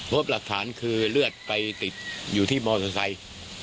เพราะประสานคือเลือดไปติดอยู่ที่มสไทย